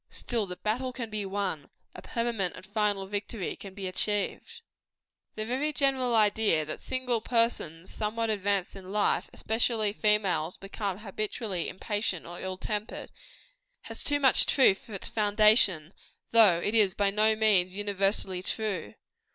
Still, the battle can be won: a permanent and final victory can be achieved. The very general idea, that single persons somewhat advanced in life, especially females, become habitually impatient or ill tempered, has too much truth for its foundation, though it is by no means universally true.